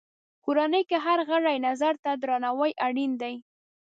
کورنۍ کې د هر غړي نظر ته درناوی اړین دی.